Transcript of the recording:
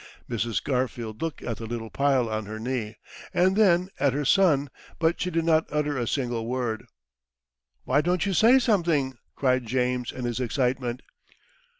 Mrs. Garfield looked at the little pile on her knee, and then at her son, but she did not utter a single word. "Why don't you say something?" cried James in his excitement.